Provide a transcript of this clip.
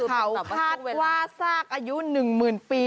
เขาคาดว่าซากอายุ๑หมื่นปี